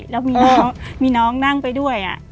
แล้วมีน้องนั่งไปด้วย